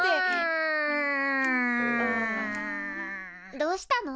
どうしたの？